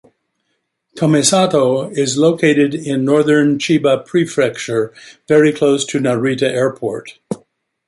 Tomisato is located in northern Chiba Prefecture, very close to Narita Airport.